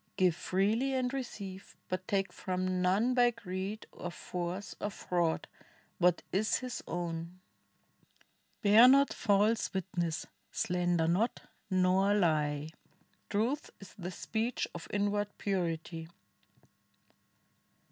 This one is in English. Give freely and receive, but take from none By greed, or force or fraud, what is his own. 41 INDIA Bear not false witness, slander not, nor lie; Truth is the speech of inward purity.